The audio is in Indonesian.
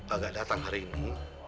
agak datang hari ini